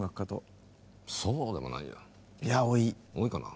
多いかな？